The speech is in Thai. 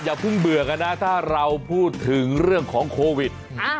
อย่าเพิ่งเบื่อกันนะถ้าเราพูดถึงเรื่องของโควิด